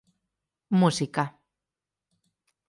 Música